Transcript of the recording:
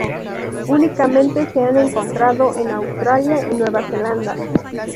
Únicamente se han encontrado en Australia y Nueva Zelanda.